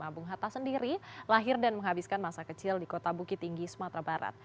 bung hatta sendiri lahir dan menghabiskan masa kecil di kota bukit tinggi sumatera barat